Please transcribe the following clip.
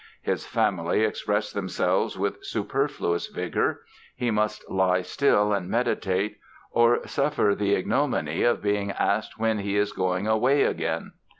His family express themselves with superfluous vigor. He must lie still and meditate, or suffer the ignominy of being asked when he is going away again.